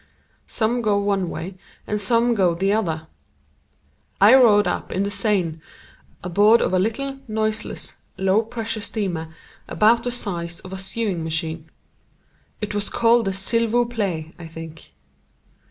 Some go one way and some go the other. I rode up on the Seine, aboard of a little, noiseless, low pressure steamer about the size of a sewing machine. It was called the Silvoo Play, I think.